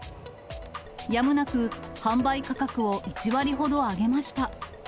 やむなく販売価格を１割ほど上げました。